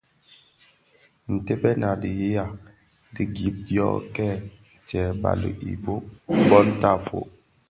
Ntèbèn a dhiyaï di gib dio kè tsee bali i bon tafog.